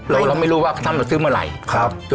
แล้วเราไม่รู้ว่าท่านมาซื้อเมื่อไหร่